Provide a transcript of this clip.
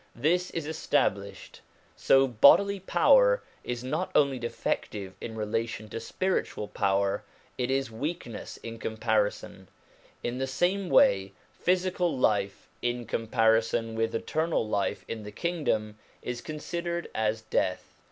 This is established. So bodily power is not only defective in relation to spiritual power; it is weakness in comparison. In the same way, physical life in comparison with 1 Jews and Christians. 144 SOME ANSWERED QUESTIONS eternal life in the Kingdom, is considered as death.